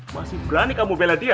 masih berani kamu bela dia